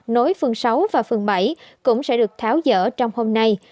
nối phường sáu và phường bảy cũng sẽ được tháo dỡ trong hôm nay